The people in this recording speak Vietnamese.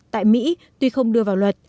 tại mỹ tuy không đưa vào luật